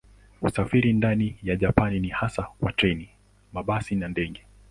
Usafiri ndani ya Japani ni hasa kwa treni, mabasi na ndege.